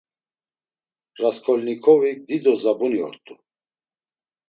Rasǩolnikovik dido zabuni ort̆u.